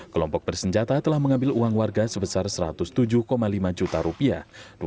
kelompok bersenjata telah mengambil uang warga sebesar satu ratus tujuh lima juta rupiah